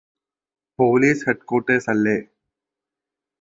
police headquarters അല്ലേ